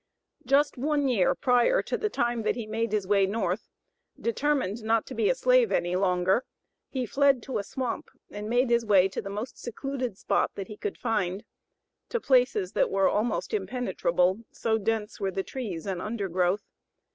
Just one year prior to the time that he made his way North, determined not to be a slave any longer, he fled to a swamp and made his way to the most secluded spot that he could find, to places that were almost impenetrable so dense were the trees and undergrowth.